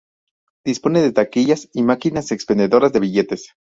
Dispone de taquillas y máquinas expendedoras de billetes.